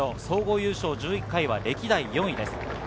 総合優勝１１回は歴代４位です。